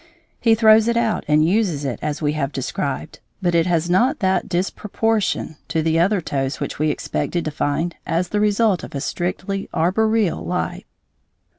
He throws it out and uses it as we have described, but it has not that disproportion to the other toes which we expected to find as the result of a strictly arboreal life.